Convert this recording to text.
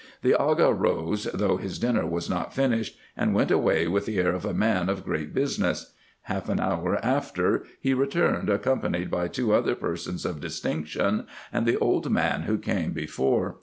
The Aga rose, though his dinner was not finished, and went away with the air of a man of great business. Half an hour after he returned, accompanied by two other persons of distinction, and the old man who came before.